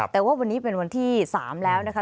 แต่ว่าวันนี้เป็นวันที่๓แล้วนะคะ